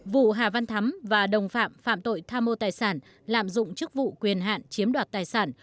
vụ hà văn thắm và đồng phạm phạm tội tham mô tài sản lạm dụng chức vụ quyền hạn chiếm đoạt tài sản